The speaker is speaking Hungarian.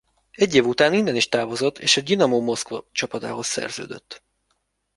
Egy év után innen is távozott és a Gyinamo Moszkva csapatához szerződött.